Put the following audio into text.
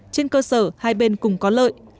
trên cơ sở hai bên cùng có lợi